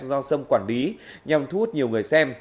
do sâm quản lý nhằm thu hút nhiều người xem